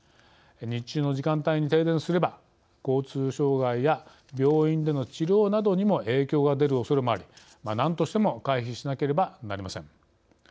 日中の時間帯に停電すれば交通障害や病院での治療などにも影響が出るおそれもあり何としても回避しなければなりません。